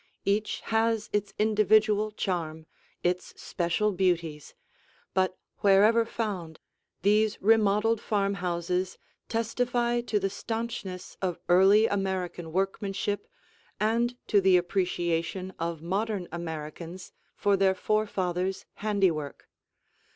Each has its individual charm, its special beauties, but wherever found these remodeled farmhouses testify to the stanchness of early American workmanship and to the appreciation of modern Americans for their forefathers' handiwork.